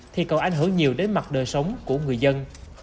thì còn ảnh hưởng nhiều đến mặt đời sống của người dân